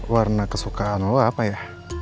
warna kesukaan lo apa ya